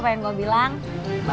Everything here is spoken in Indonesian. karena dia beranak